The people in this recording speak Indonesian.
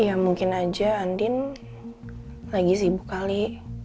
ya mungkin aja andin lagi sibuk kali